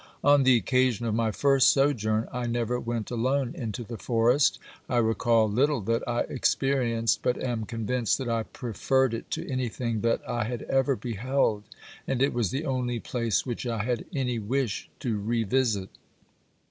On the occasion of my first sojourn I never went alone into the forest ; I recall little that I experienced, but am convinced that I preferred it to anything that I had ever beheld, and it was the only place which I had any wish to revisit.